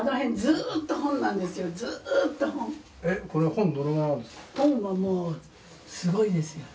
「本はもうすごいですよ」